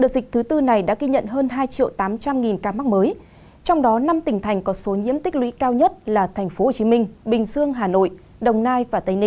xin chào và hẹn gặp lại